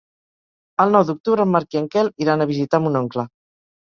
El nou d'octubre en Marc i en Quel iran a visitar mon oncle.